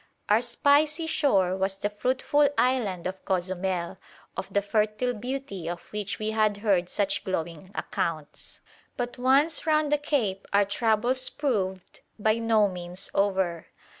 Our "spicy shore" was the fruitful island of Cozumel, of the fertile beauty of which we had heard such glowing accounts; but once round the cape, our troubles proved by no means over.